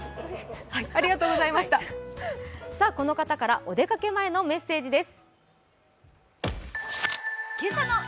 この方からお出かけ前のメッセージです。